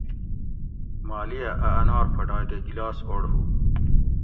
مالیہ اۤ انار پھوٹاگ تے گِلاس اوڑ ھو